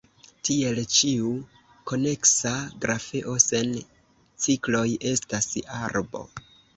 Tiel, ĉiu koneksa grafeo sen cikloj estas arbo.